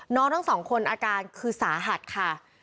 ทั้งสองคนอาการคือสาหัสค่ะ